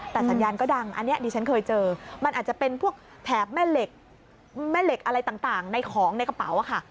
แต่สัญญาณก็ดังอันนี้ดิฉันเคยเจอมันอาจจะเป็นพวกแถบแม่เหล็กแม่เหล็กอะไรต่างในของในกระเป๋าค่ะ